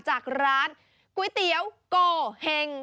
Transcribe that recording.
จากร้านก๋วยเตี๋ยวโกเห็ง